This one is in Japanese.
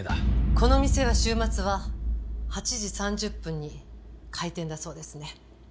この店は週末は８時３０分に開店だそうですね。